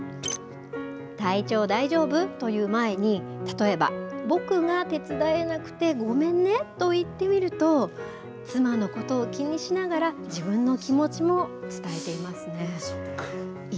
体調、大丈夫？と言う前に、例えば、僕が手伝えなくてごめんねと言ってみると、妻のことを気にしながら、自分の気持ちも伝えていますね。